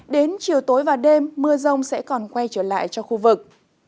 đến chiều tối và đêm mưa rông sẽ còn quay trở lại cho khu vực